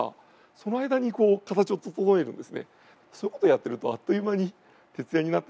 そういうことやってるとあっという間に徹夜になってしまうんですね。